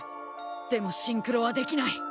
でもシンクロはできない。